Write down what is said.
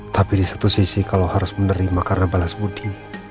tapi di satu sisi kalau harus menerima karena balas budi